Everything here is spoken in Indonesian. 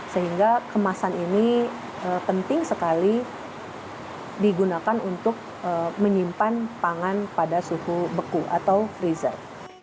sehingga kemasan ini penting sekali digunakan untuk menyimpan pangan pada suhu beku atau freezer